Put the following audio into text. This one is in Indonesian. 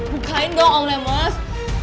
bukain dong om nemos